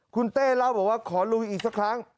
คุณเต้เล่าบอกว่าขอลุยอีกสักครั้ง